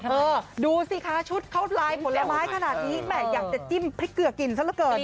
เออดูสิคะชุดเข้าเป็นผลไม้ขนาดนี้แบบอยากจะจิ้มพริกเกลือกินซะแล้วเกิดนะฮะ